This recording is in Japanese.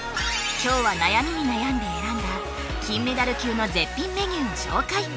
今日は悩みに悩んで選んだ金メダル級の絶品メニューを紹介